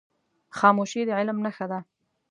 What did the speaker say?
خاموشي، د علم نښه ده.